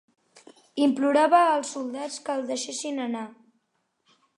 Implorava als soldats que el deixessin anar.